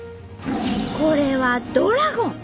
これは「ドラゴン」。